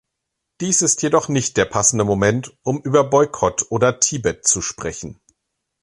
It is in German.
Dies ist jedoch nicht der passende Moment, um über Boykott oder Tibet zu sprechen.